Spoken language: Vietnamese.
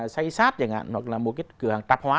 say sát chẳng hạn hoặc là một cái cửa hàng tạp hóa